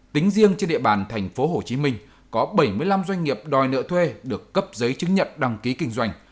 tính riêng trên địa bàn tp hcm có bảy mươi năm doanh nghiệp đòi nợ thuê được cấp giấy chứng nhận đăng ký kinh doanh